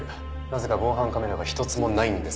なぜか防犯カメラが一つもないんですけど。